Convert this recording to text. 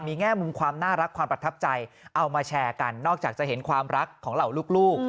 แง่มุมความน่ารักความประทับใจเอามาแชร์กันนอกจากจะเห็นความรักของเหล่าลูก